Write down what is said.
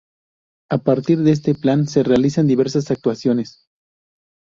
A partir de este plan se realizan diversas actuaciones.